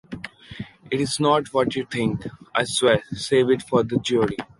It’s not what you think, I swear! Save it for the jury!